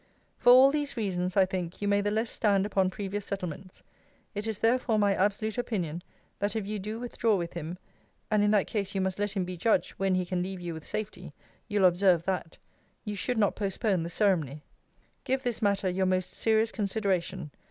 For all these reasons, I think, you may the less stand upon previous settlements. It is therefore my absolute opinion, that, if you do withdraw with him, (and in that case you must let him be judge when he can leave you with safety, you'll observe that,) you should not postpone the ceremony. Give this matter your most serious consideration.